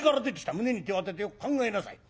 胸に手をあててよく考えなさい。